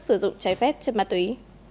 sử dụng trái phép chất ma túy